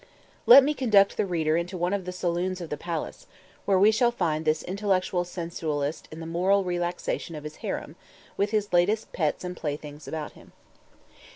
Let me conduct the reader into one of the saloons of the palace, where we shall find this intellectual sensualist in the moral relaxation of his harem, with his latest pets and playthings about him.